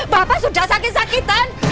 bapak sudah sakit sakitan